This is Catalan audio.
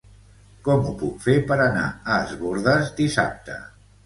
Com ho puc fer per anar a Es Bòrdes dissabte?